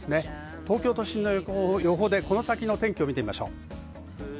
東京都心のこの後の予報を見てみましょう。